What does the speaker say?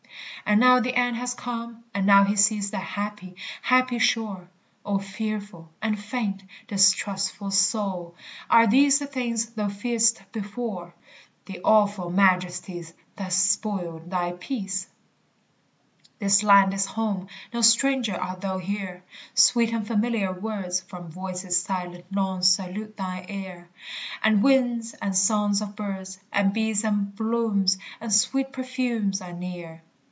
And now the end has come, and now he sees The happy, happy shore; O fearful, and faint, distrustful soul, are these The things thou fearedst before The awful majesties that spoiled thy peace? This land is home; no stranger art thou here; Sweet and familiar words From voices silent long salute thine ear; And winds and songs of birds, And bees and blooms and sweet perfumes are near.